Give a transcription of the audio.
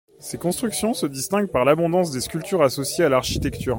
Ses constructions se distinguent par l'abondance des sculptures associées à l'architecture.